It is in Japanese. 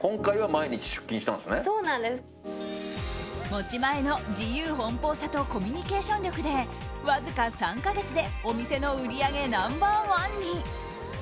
持ち前の自由奔放さとコミュニケーション力でわずか３か月でお店の売り上げナンバー１に。